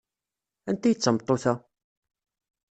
Anta ay d tameṭṭut-a?